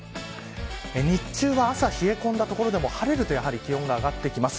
日中は、朝冷え込んだ所でも晴れるとやはり気温が上がってきます。